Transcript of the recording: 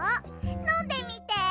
のんでみて。